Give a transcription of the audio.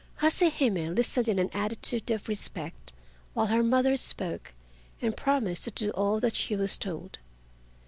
Hase Hime listened in an attitude of respect while her mother spoke, and promised to do all that she was told.